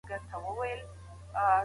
زه به سبا سبزيجات خورم وم.